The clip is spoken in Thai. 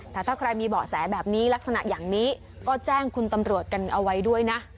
แต่ถ้าใครมีเบาะแสแบบนี้ลักษณะอย่างนี้ก็แจ้งคุณตำรวจกันเอาไว้ด้วยนะ